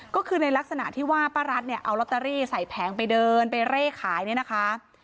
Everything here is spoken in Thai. ก็คือในลักษณะที่ว่าป้ารัฐเนี่ยเอาลอตเตอรี่ใส่แผงไปเดินไปเร่ขายเนี่ยนะคะ